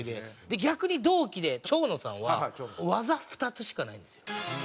逆に同期で蝶野さんは技２つしかないんですよ。